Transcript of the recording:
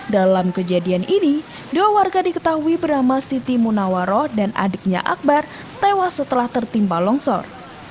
dalam kejadian ini dua warga diketahui bernama siti munawaroh dan adiknya akbar tewas setelah tertimpa longsor